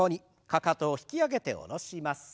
かかとを引き上げて下ろします。